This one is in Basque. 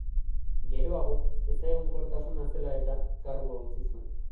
Geroago, ezegonkortasuna zela-eta, kargua utzi zuen.